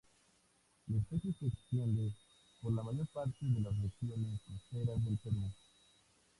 La especie se extiende por la mayor parte de las regiones costeras del Perú.